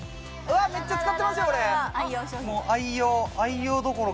めっちゃ使ってますよ